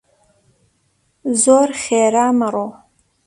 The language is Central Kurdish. زۆر خێرا مەڕۆ!